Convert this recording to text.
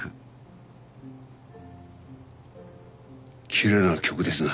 きれいな曲ですね。